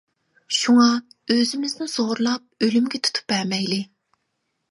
شۇڭا، ئۆزىمىزنى زورلاپ ئۆلۈمگە تۇتۇپ بەرمەيلى.